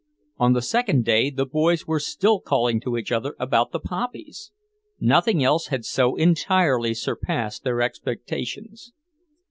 On the second day the boys were still calling to each other about the poppies; nothing else had so entirely surpassed their expectations.